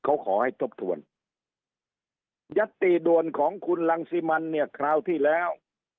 เขาขอให้ทบทวนยัตติด่วนของคุณรังสิมันเนี่ยคราวที่แล้ว